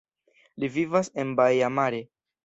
Li vivas en Baia Mare.